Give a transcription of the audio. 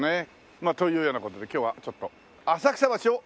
まというような事で今日はちょっと浅草橋を散歩します